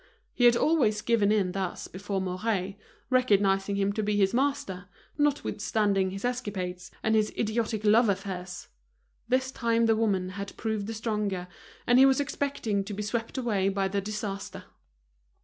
He had always given in thus before Mouret, recognizing him to be his master, notwithstanding his escapades and his idiotic love affairs. This time the woman had proved the stronger, and he was expecting to be swept away by the disaster.